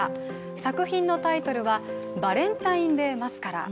作品のタイトルは「バレンタインデー・マスカラ」。